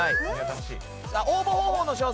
応募方法の詳細